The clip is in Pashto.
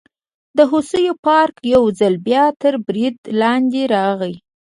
د هوسیو پارک یو ځل بیا تر برید لاندې راغی.